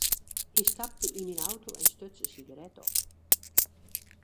Hy stapte yn myn auto en stuts in sigaret op.